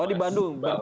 oh di bandung